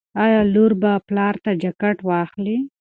ایا لور به پلار ته جاکټ واخلي؟